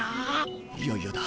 いよいよだ。